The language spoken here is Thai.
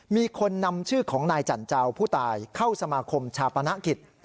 มีคนนำชื่อของนายจันเจ้าผู้ตายเข้าสมาคมชาปนกิจ